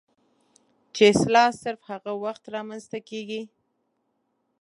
چې اصلاح صرف هغه وخت رامنځته کيږي